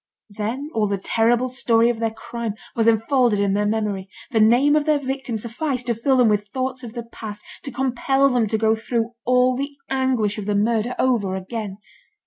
Then all the terrible story of their crime was unfolded in their memory. The name of their victim sufficed to fill them with thoughts of the past, to compel them to go through all the anguish of the murder over again.